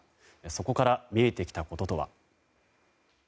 そこから見えてきたこととは。